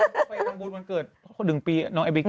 ต้องไปทำบุญวันเกิด๑ปีน้องเอบริเกล